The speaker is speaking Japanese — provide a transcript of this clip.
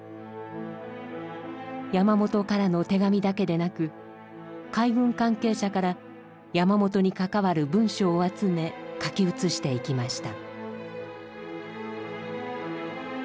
山本からの手紙だけでなく海軍関係者から山本に関わる文書を集め書き写していきました。